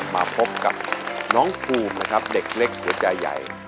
มาพบกับน้องภูมินะครับเด็กเล็กหัวใจใหญ่